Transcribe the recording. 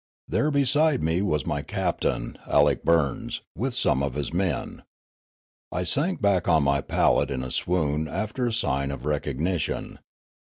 There beside me was my captain. Alec Burns, with some of his men. I sank back on my pallet in a swoon after a sign of recog nition.